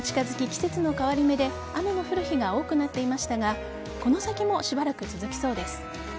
季節の変わり目で雨の降る日が多くなっていましたがこの先もしばらく続きそうです。